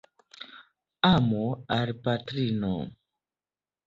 Amo al patrino.